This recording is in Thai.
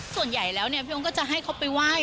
ส่วนใหญ่แล้วเนี่ยพี่องค์ก็จะให้เขาไปไหว้